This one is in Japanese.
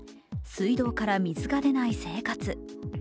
水道から水が出ない生活。